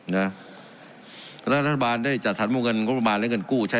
นะครับรัฐบาลได้จัดถัดมุมเงินรัฐบาลและเงินกู้ใช้